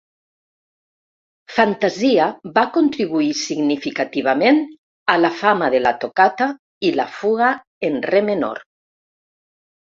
"Fantasia" va contribuir significativament a la fama de la Toccata i la Fuga en re menor.